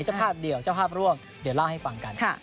เจ้าภาพเดียวเจ้าภาพร่วงเดี๋ยวเล่าให้ฟังกัน